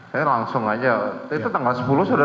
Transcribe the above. saya langsung aja itu tanggal sepuluh saudara berlalu